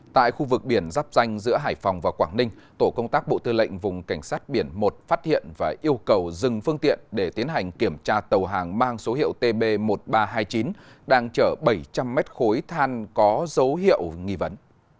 tại khu vực biển giáp danh giữa hải phòng và quảng ninh tổ công tác bộ tư lệnh vùng cảnh sát biển một phát hiện và yêu cầu dừng phương tiện để tiến hành kiểm tra tàu hàng mang số hiệu tb một nghìn ba trăm hai mươi chín đang chở bảy trăm linh mét khối than có dấu hiệu nghi vấn